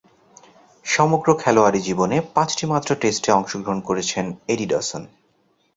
সমগ্র খেলোয়াড়ী জীবনে পাঁচটিমাত্র টেস্টে অংশগ্রহণ করেছেন এডি ডসন।